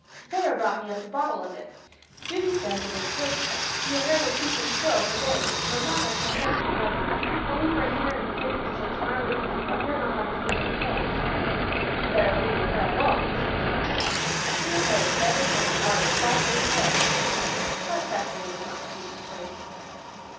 Sara brought me up a bottle of it. Judy says it is great stuff your hair will keep in curl for days, no matter how damp the weather is. I'll leave my hair in the papers till tomorrow evening, and then I'll have beautiful curls." "You'd better leave your hair alone," said Dan gruffly. "Smooth hair is better than a lot of fly away curls." But Cecily was not to be persuaded.